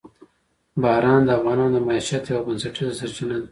باران د افغانانو د معیشت یوه بنسټیزه سرچینه ده.